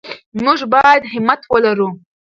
موږ باید همت ولرو.